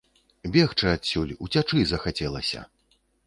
Бегчы адсюль, уцячы захацелася.